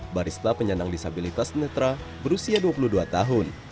barista penyandang disabilitas netra berusia dua puluh dua tahun